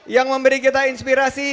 yang memberi kita inspirasi